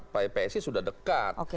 psi sudah dekat